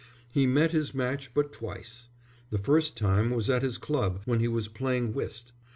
He met his match but twice. The first time was at his club when he was playing whist.